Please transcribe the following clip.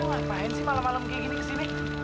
eh apaan main sih malam malam gini gini kesini